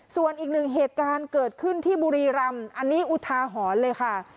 ส่วนอีกหนึ่งเหตุการณ์เกิดขึ้นที่บุรีรำอันนี้อุทาหรณ์เลยค่ะ